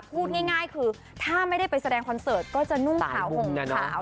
พูดง่ายคือถ้าไม่ได้ไปแสดงคอนเสิร์ตก็จะนุ่งขาวห่มขาว